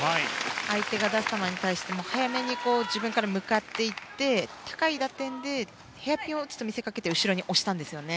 相手が出す球に対して早めに自分から向かっていって高い打点でヘアピンを打つと見せかけて後ろに押した。